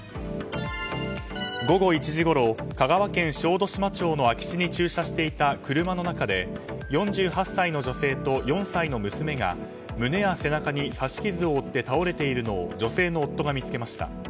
午後１時ごろ香川県小豆島町の空き地に駐車していた車の中で４８歳の女性と４歳の娘が胸や背中に刺し傷を負って倒れているのを女性の夫が見つけました。